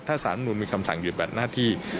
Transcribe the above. ถ้าศาลมนุษย์มีคำสั่งหยุดแบบหน้าที่